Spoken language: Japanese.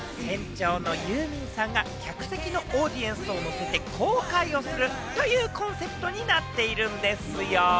海賊船のステージの上で船長のユーミンさんが客席のオーディエンスに向けて航海をするというコンセプトになっているんですよ。